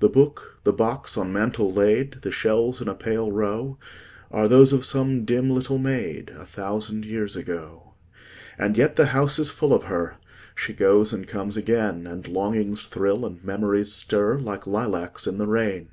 The book, the box on mantel laid, The shells in a pale row, Are those of some dim little maid, A thousand years ago. And yet the house is full of her; She goes and comes again; And longings thrill, and memories stir, Like lilacs in the rain.